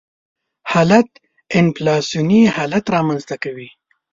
حالت انفلاسیوني حالت رامنځته کوي.